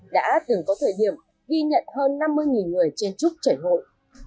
đã từng có thời điểm ghi nhận hơn năm mươi người trên trúc trải hội